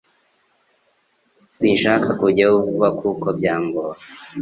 Sinshaka kujyayo vuba kuko byangora .